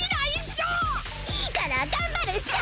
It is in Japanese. いいから頑張るっしょ！